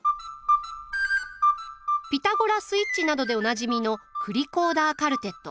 「ピタゴラスイッチ」などでおなじみの栗コーダーカルテット。